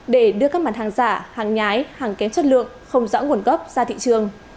để đưa các mặt hàng giả hàng nhái hàng kém chất lượng không rõ nguồn gốc ra thị trường